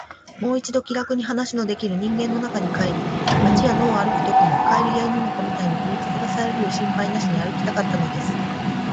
もう一度、気らくに話のできる人間の中に帰り、街や野を歩くときも、蛙や犬の子みたいに踏みつぶされる心配なしに歩きたかったのです。